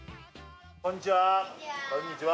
こんにちは。